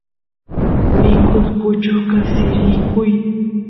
mikus puchukas sirikuy